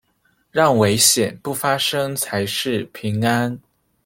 讓危險不發生才是平安